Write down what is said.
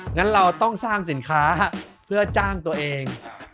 งั้นเราต้องสร้างสินค้าเพื่อจ้างตัวเอง